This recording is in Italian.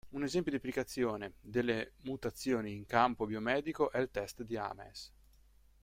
Un esempio di applicazione delle mutazioni in campo biomedico è il test di Ames.